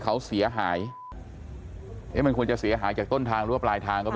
เขาเสียหายเอ๊ะมันควรจะเสียหายจากต้นทางหรือว่าปลายทางก็ไม่